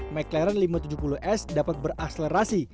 mclaren lima ratus tujuh puluh s dapat berakselerasi